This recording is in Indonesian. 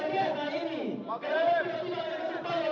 juga semasa sangat berharap